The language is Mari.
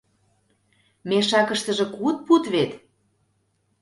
— Мешакыштыже куд пуд вет!